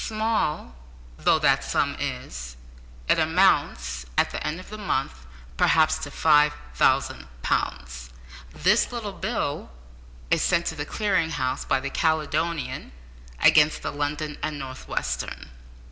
Small though that sum is, it amounts at the end of a month perhaps to 5000 pounds. This little bill is sent to the Clearing House by the Caledonian against the London and North Western.